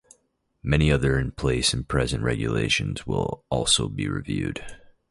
Many other in place and present regulations will also be reviewed.